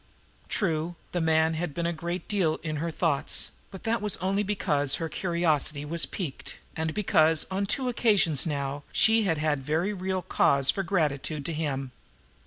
True, the man had been a great deal in her thoughts, but that was only because her curiosity was piqued, and because on two occasions now she had had very real cause for gratitude to him.